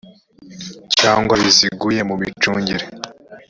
cyangwa buziguye mu micungire